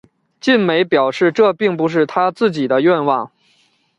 晋美表示这并不是他自己的愿望。